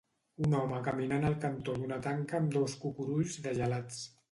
Un home caminant al cantó d'una tanca amb dos cucurulls de gelats